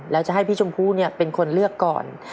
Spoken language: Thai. แล้วจะให้พี่ชมพู่เป็นคนเลือกก่อน